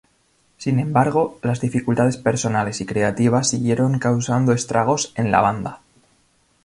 Sin embargo, las dificultades personales y creativas siguieron causando estragos en la banda.